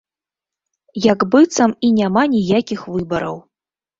Як быццам і няма ніякіх выбараў!